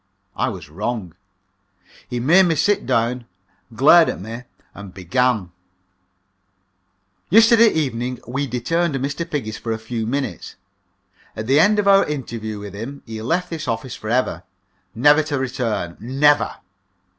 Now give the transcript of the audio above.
I was wrong. He made me sit down, glared at me, and began: "Yesterday evening we detained Mr. Figgis for a few minutes. At the end of our interview with him he left this office for ever, never to return never!"